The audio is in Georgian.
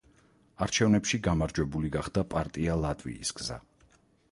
არჩევნებში გამარჯვებული გახდა პარტია ლატვიის გზა.